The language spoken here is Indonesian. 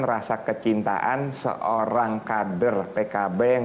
rasa kecintaan seorang kader pkb yang